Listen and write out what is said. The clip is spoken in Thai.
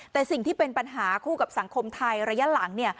แต่สิ่งที่เป็นปัญหาคู่กับสังคมไทยระยะหลังเนี่ย